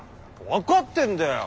分かってんだよ